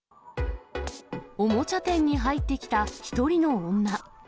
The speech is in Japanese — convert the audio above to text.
おもちゃ店に入ってきた１人の女。